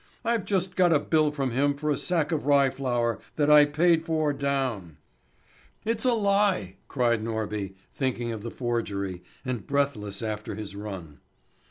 I've just got a bill from him for a sack of rye flour that I paid for down!" "It's a lie!" cried Norby, thinking of the forgery, and breathless after his run.